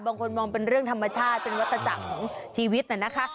บางคนมองเป็นเรื่องธรรมชาติเป็นวัตจักรของชีวิตน่ะนะคะ